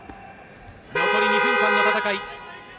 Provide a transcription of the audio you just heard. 残り２分間の戦い。